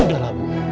jadi sudah lah ibu